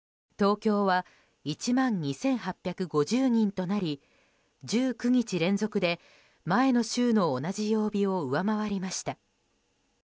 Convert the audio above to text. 東京は１万２８５０人となり１９日連続で前の週の同じ曜日を上回りました。